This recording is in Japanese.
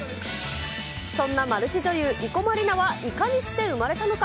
そんなマルチ女優、生駒里奈は、いかにして生まれたのか。